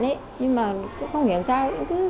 nhưng mà không hiểu sao